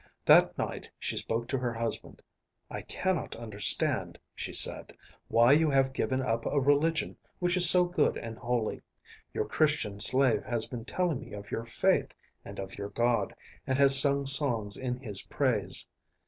That night she spoke to her husband. "I cannot understand," she said, "why you have given up a religion which is so good and holy. Your Christian slave has been telling me of your Faith and of your God, and has sung songs in His praise.